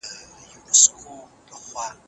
دغه اوږده شپه